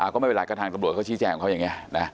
ก็ไม่เป็นไรก็ทางตำรวจเขาชี้แจงของเขาอย่างนี้นะ